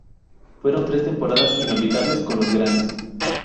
Fueron tres temporadas inolvidables con los grandes.